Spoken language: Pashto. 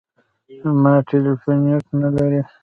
زما ټلیفون نېټ نه لري .